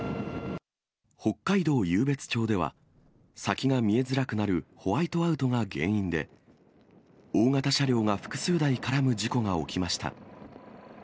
北海道湧別町では、先が見えづらくなるホワイトアウトが原因で、大型車両が複数台絡む事故が起きました。